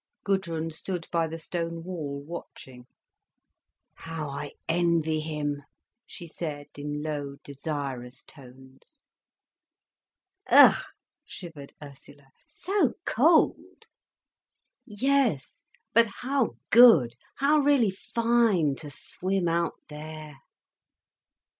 Gudrun stood by the stone wall, watching. "How I envy him," she said, in low, desirous tones. "Ugh!" shivered Ursula. "So cold!" "Yes, but how good, how really fine, to swim out there!"